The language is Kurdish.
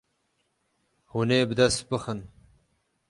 Hûn ê bi dest bixin.